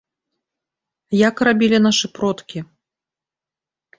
Як рабілі нашы продкі?